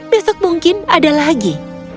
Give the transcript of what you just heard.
besok mungkin ada lagi